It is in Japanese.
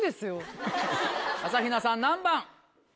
朝日奈さん何番？